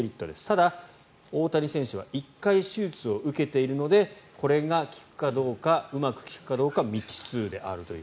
ただ、大谷選手は１回手術を受けているのでこれが効くかどうかうまく効くかどうか未知数であるという。